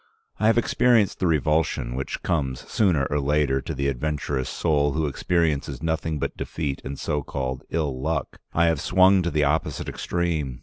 I have experienced the revulsion which comes sooner or later to the adventurous soul who experiences nothing but defeat and so called ill luck. I have swung to the opposite extreme.